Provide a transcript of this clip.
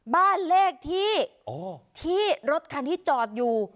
บ้านเลขที่ที่รถคันที่จอดอยู่